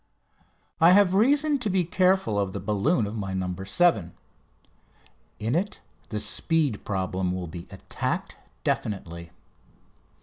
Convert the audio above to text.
I have reason to be careful of the balloon of my "No. 7." In it the speed problem will be attacked definitely.